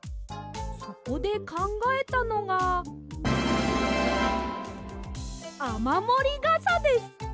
そこでかんがえたのが「あまもりがさ」です！